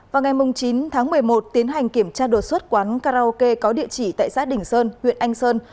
vào ngày chín tháng một mươi một tiến hành kiểm tra đột xuất quán karaoke có địa chỉ tại xã đình sơn huyện anh sơn